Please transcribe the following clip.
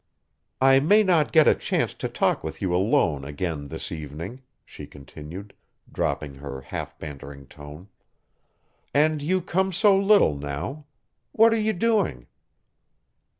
"I may not get a chance to talk with you alone again this evening," she continued, dropping her half bantering tone, "and you come so little now. What are you doing?"